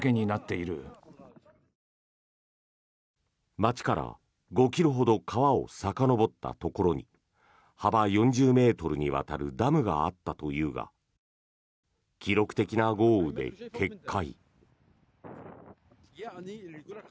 街から５ｋｍほど川をさかのぼったところに幅４０ｍにわたるダムがあったというが記録的な豪雨で決壊。